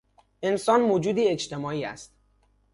انسان موجودی اجتماعی است.